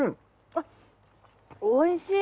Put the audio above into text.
あっおいしい。